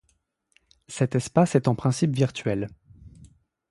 Cet espace est en principe virtuel.